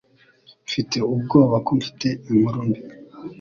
Mfite ubwoba ko mfite inkuru mbi